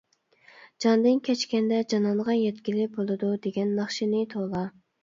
«جاندىن كەچكەندە جانانغا يەتكىلى بولىدۇ» دېگەن ناخشىنى تولا.